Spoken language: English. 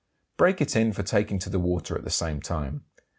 Break it in for taking to the water at the same time.